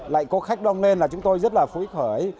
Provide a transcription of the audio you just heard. lại có khách đông lên là chúng tôi rất là phú ý khởi